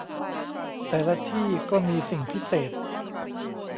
แต่ละที่ก็มี 'สิ่งพิเศษ'